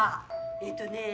えっとね